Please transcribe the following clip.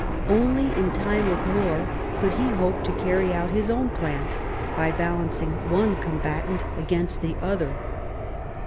Only in time of war could he hope to carry out his own plans by balancing one combatant against the other.